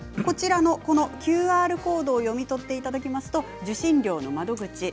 こちらのＱＲコードを読み取っていただきますと受信料の窓口